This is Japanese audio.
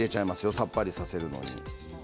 さっぱりさせるのに。